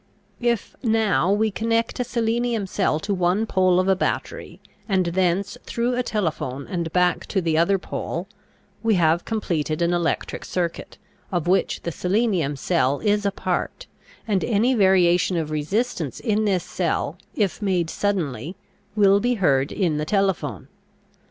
If now we connect a selenium cell to one pole of a battery, and thence through a telephone and back to the other pole, we have completed an electric circuit, of which the selenium cell is a part, and any variation of resistance in this cell, if made suddenly, will be heard in the telephone.